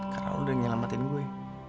karena lu udah nyelamatin gue